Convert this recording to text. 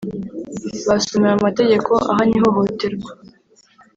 basomewe amategeko ahana ihohoterwa